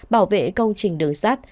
bảo vệ công trình đường sắt